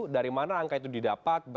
dari mana angka itu didapat